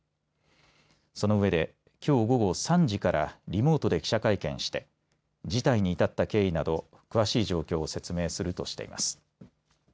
そのうえで、きょう午後３時からリモートで記者会見して辞退に至った経緯など、詳しい状況を説明するとしています。